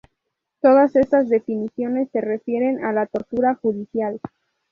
Todas estas definiciones se refieren a la tortura judicial.